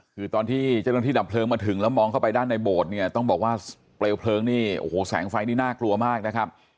คือตอนที่เจ้าหน้าที่ดับเพลิงมาถึงแล้วมองเข้าไปด้านในโบสถ์เนี่ยต้องบอกว่าเปลวเพลิงนี่โอ้โหแสงไฟนี่น่ากลัวมากนะครับ